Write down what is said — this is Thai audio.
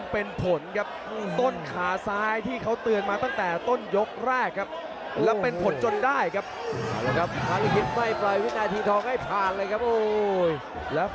เปลี่ยนเข้ามาเอาอีกแล้ว